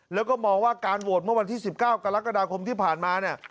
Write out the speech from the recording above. แล้วก็มองว่าการโหวตเมื่อวันที่๑๙กรกฎาคมที่ผ่านมาเนี่ย